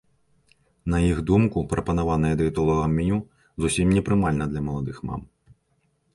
На іх думку, прапанаванае дыетолагам меню зусім не прымальна для маладых мам.